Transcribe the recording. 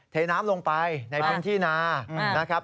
เทน้ำลงไปในพื้นที่นานะครับ